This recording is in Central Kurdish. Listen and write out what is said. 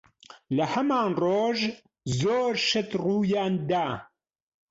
لە هەمان ڕۆژ، زۆر شت ڕوویان دا.